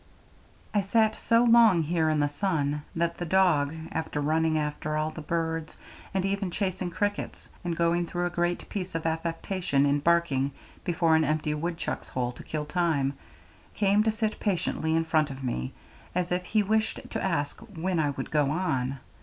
I sat so long here in the sun that the dog, after running after all the birds, and even chasing crickets, and going through a great piece of affectation in barking before an empty woodchuck's hole to kill time, came to sit patiently in front of me, as if he wished to ask when I would go on.